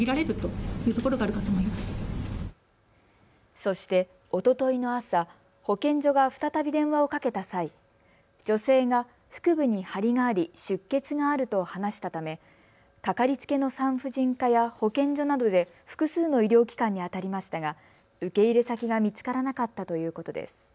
そして、おとといの朝、保健所が再び電話をかけた際、女性が腹部に張りがあり出血があると話したため掛かりつけの産婦人科や保健所などで複数の医療機関にあたりましたが受け入れ先が見つからなかったということです。